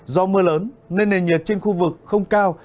do mưa lớn nên nền nhiệt trên khu vực không cao